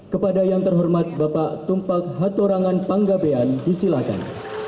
kepada yang terhormat bapak tumpak hatorangan panggabean disilakan